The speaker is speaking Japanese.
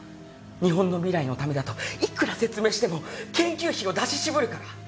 日本の未来のためだといくら説明しても研究費を出し渋るから。